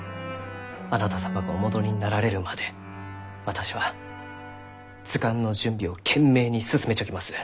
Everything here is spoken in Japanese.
あなた様がお戻りになられるまで私は図鑑の準備を懸命に進めちょきます。